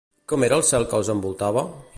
Com era el cel que els envoltava?